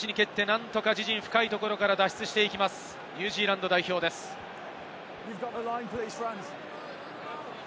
ここはタッチに蹴って、なんとか自陣深いところから脱出していきます、ニュージーランド代表です。